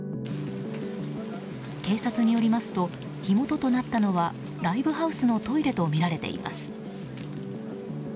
警察によりますと火元となったのはライブハウスのトイレとみられています。